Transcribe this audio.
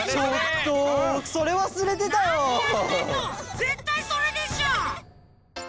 ぜったいそれでしょ！